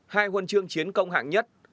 hai huân trường chiến công hạng nhất